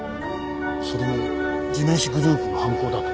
それも地面師グループの犯行だと？